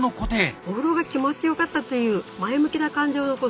お風呂が気持ちよかったという前向きな感情を残す。